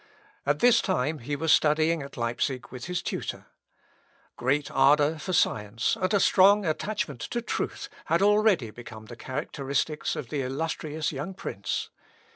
At this time he was studying at Leipsic with his tutor. Great ardour for science, and a strong attachment to truth, had already become the characteristics of the illustrious young prince.